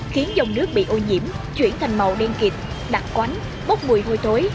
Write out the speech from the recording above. khiến dòng nước bị ô nhiễm chuyển thành màu đen kịt đặc quánh bốc mùi hôi thối